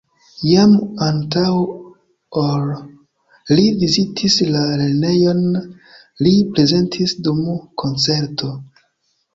Jam antaŭ ol li vizitis la lernejon, li prezentis dum koncerto.